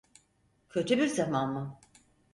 Kötü bir zaman mı?